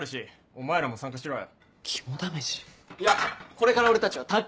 いやこれから俺たちは卓球が。